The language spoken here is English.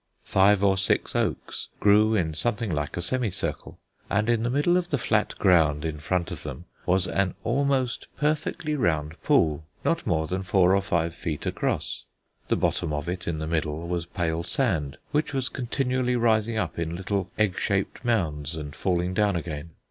Five or six oaks grew in something like a semicircle, and in the middle of the flat ground in front of them was an almost perfectly round pool, not more than four or five feet across. The bottom of it in the middle was pale sand which was continually rising up in little egg shaped mounds and falling down again.